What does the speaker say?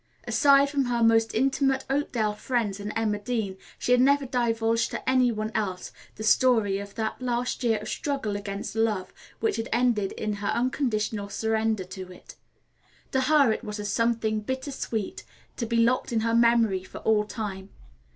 Aside from her most intimate Oakdale friends and Emma Dean she had never divulged to any one else the story of that last year of struggle against love which had ended in her unconditional surrender to it. To her it was as something bitter sweet, to be locked in her memory for all time.